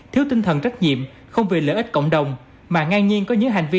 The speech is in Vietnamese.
thiếu tinh thần trách nhiệm không vì lợi ích cộng đồng mà ngang nhiên có những hành vi